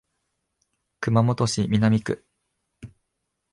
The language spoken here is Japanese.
熊本市南区